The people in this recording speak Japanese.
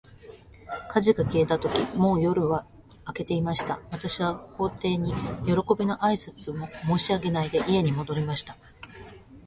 火事が消えたとき、もう夜は明けていました。私は皇帝に、よろこびの挨拶も申し上げないで、家に戻りました。